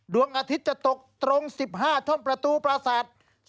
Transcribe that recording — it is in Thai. ดวงอาทิตย์จะตกตรง๑๕ช่วงประตูประสาท